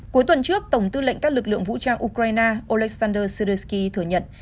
cuối tuần trước tổng tư lệnh các lực lượng vũ trang ukraine oleksandr sidorsky thừa nhận